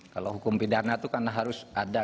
kalau hukum pidana itu kan harus ada